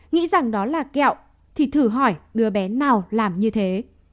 nghĩ rằng đó là kẹo thì thử hỏi đứa bé nào làm như thế